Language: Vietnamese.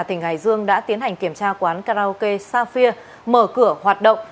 tỉnh hải dương đã tiến hành kiểm tra quán karaoke safia mở cửa hoạt động